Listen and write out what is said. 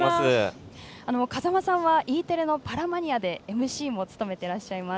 風間さんはＥテレの「パラマニア」でＭＣも務めていらっしゃいます。